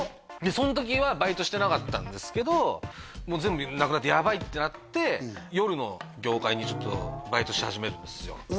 その時はバイトしてなかったんですけどもう全部なくなってやばいってなって夜の業界にちょっとバイトし始めるんですよ